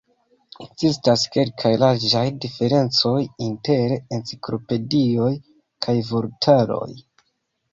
Ekzistas kelkaj larĝaj diferencoj inter enciklopedioj kaj vortaroj.